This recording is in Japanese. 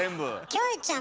キョエちゃん